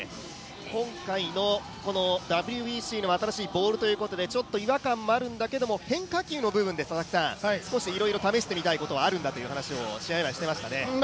今回のＷＢＣの新しいボールということでちょっと違和感もあるんだけど変化球の部分で少しいろいろ試してみたいことはあるんだと試合前、話していましたね。